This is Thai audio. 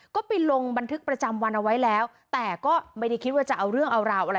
ก็ไปลงบันทึกประจำวันเอาไว้แล้วแต่ก็ไม่ได้คิดว่าจะเอาเรื่องเอาราวอะไร